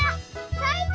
さいた！